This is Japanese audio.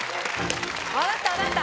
わかったわかった。